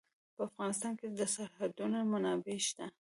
په افغانستان کې د سرحدونه منابع شته.